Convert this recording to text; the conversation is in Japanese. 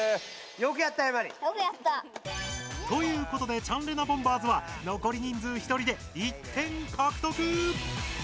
よくやった。ということでチャンレナボンバーズは残り人数１人で１点獲得。